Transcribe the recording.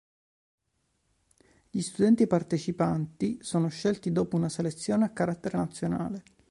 Gli studenti partecipanti sono scelti dopo una selezione a carattere nazionale.